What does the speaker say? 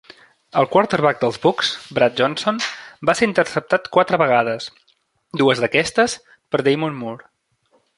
El quarterback dels Bucs, Brad Johnson, va ser interceptat quatre vegades, dues d'aquestes per Damon Moore.